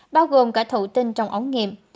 bao gồm cả thụ tin trong ống nghiệm